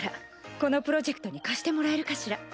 このプロジェクトに貸してもらえるかしら？